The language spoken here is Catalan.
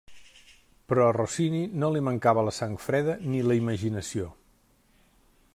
Però a Rossini no li mancava la sang freda ni la imaginació.